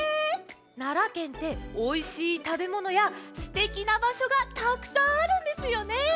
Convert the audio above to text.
奈良県っておいしいたべものやすてきなばしょがたくさんあるんですよね？